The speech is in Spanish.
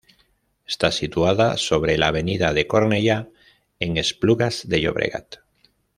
Está situada sobre la Avenida de Cornellá en Esplugas de Llobregat.